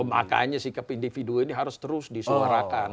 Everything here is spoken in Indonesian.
makanya sikap individu ini harus terus disuarakan